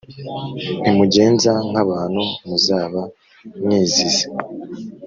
ntimugenza nk’abantu muzaba mwizize?